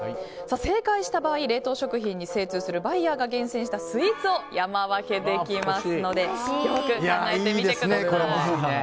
正解した場合、冷凍食品に精通するバイヤーが厳選したスイーツを山分けできますのでよく考えてみてください。